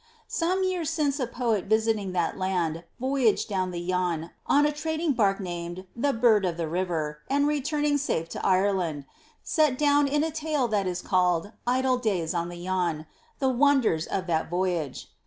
Some years since a poet visiting that land voyaged down the Yann on a trading bark named the Bird of the River and returning safe to Ireland, set down in a tale that is called Idle Days on the Yann, the wonders of that voyage.